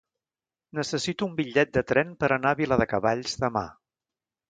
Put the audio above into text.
Necessito un bitllet de tren per anar a Viladecavalls demà.